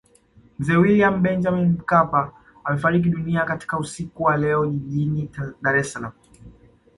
Mzee William Benjamin Mkapa amefariki dunia katika usiku wa leo Jijini Dar es Salaam